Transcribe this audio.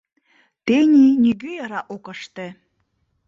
Тений нигӧ яра ок ыште.